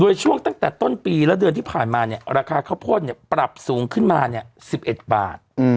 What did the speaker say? โดยช่วงตั้งแต่ต้นปีและเดือนที่ผ่านมาเนี่ยราคาข้าวโพดปรับสูงขึ้นมา๑๑บาท